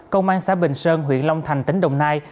công an xã bình sơn huyện long thành tỉnh đồng nai